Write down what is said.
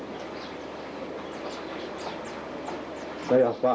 saya ingin berdoa kepada tuhan pak